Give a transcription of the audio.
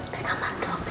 ke kamar dulu